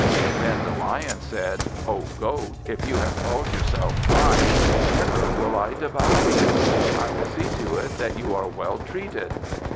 Then the Lion said, "O Goat, if you have called yourself mine, never will I devour you. I will see to it that you are well treated."